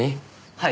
はい。